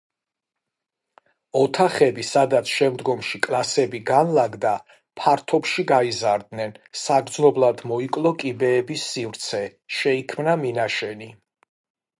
ოთახები, სადაც შემდგომში კლასები განლაგდა, ფართობში გაიზარდნენ, საგრძნობლად მოიკლო კიბეების სივრცე, შეიქმნა მინაშენი.